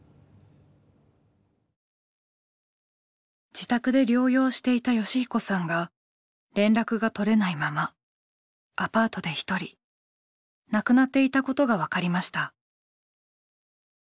自宅で療養していた善彦さんが連絡が取れないままアパートで一人亡くなっていたことが分かりました。